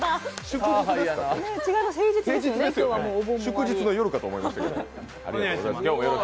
祝日の夜かと思いましたけども。